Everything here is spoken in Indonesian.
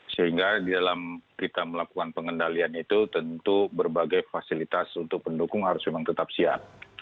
sehingga di dalam kita melakukan pengendalian itu tentu berbagai fasilitas untuk pendukung harus memang tetap siap